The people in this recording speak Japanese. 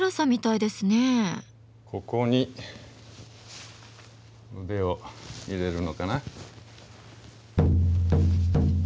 ここに腕を入れるのかな？